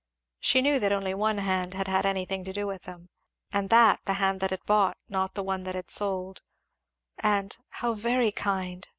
She knew that only one hand had had anything to do with them, and that the hand that had bought, not the one that had sold; and "How very kind!"